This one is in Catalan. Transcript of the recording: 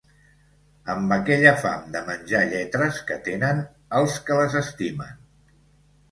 Amb aquella fam de menjar lletres que tenen els que les estimen.